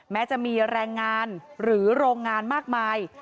แม้จะมีแรงงานหรือโรงงานมากมาย